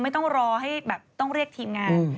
ไม่ต้องรอให้แบบต้องเรียกทีมงาน